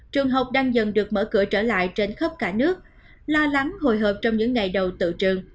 trường học đang dần được mở cửa trở lại trên khắp cả nước lo lắng hồi hộp trong những ngày đầu tự trường